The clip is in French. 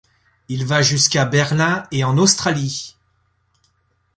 Il va jusqu'à Berlin et en Australie.